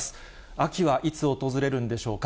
秋はいつ訪れるんでしょうか。